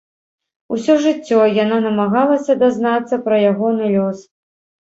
Усё жыццё яна намагалася дазнацца пра ягоны лёс.